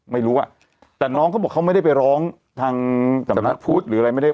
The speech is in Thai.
ไม่รู้อ่ะแต่น้องเขาบอกเขาไม่ได้ไปร้องทางสำนักพุทธหรืออะไรไม่ได้